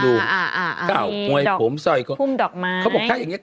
โมยผมโมยผมซ่อยเค้าบอกถ้าอย่างเงี้ย